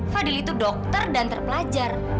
fadil itu dokter dan terpelajar